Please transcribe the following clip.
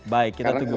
baik kita tunggu